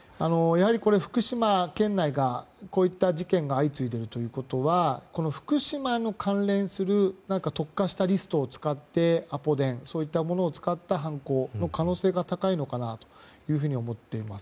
やはり福島県内がこういった事件が相次いでいるということは福島の関連する特化したリストを使ってアポ電、そういったものを使った犯行の可能性が高いのかなと思っています。